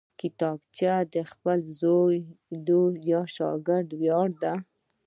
کتابچه د خپل زوی، لور یا شاګرد ویاړ ده